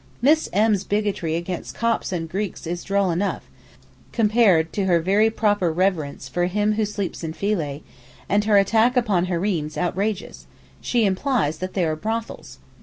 Miss M.'s bigotry against Copts and Greeks is droll enough, compared to her very proper reverence for 'Him who sleeps in Philæ,' and her attack upon hareems outrageous; she implies that they are brothels.